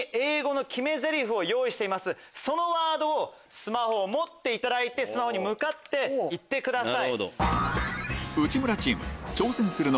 スマホを持っていただいてスマホに向かって言ってください。